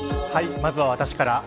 まずは私から。